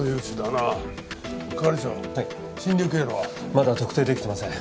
まだ特定出来ていません。